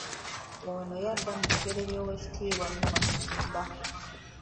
Ono yadda mu bigere by'Oweekitiibwa Noah Kiyimba